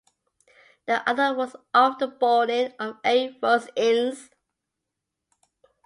The other was off the bowling of A. Rose-Innes.